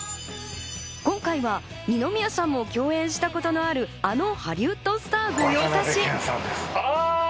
今回は二宮さんも共演したことのある、あのハリウッドスター御用達。